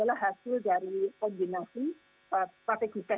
ada beberapa kluster